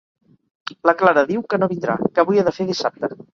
La Clara diu que no vindrà, que avui ha de fer dissabte.